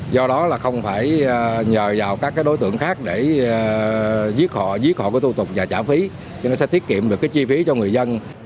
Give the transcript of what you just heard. do đó là không phải nhờ vào các đối tượng khác để giết họ cái thủ tục và trả phí cho nên sẽ tiết kiệm được cái chi phí cho người dân